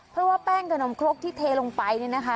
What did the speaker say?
เพราะว่าแป้งขนมครกที่เทลงไปเนี่ยนะคะ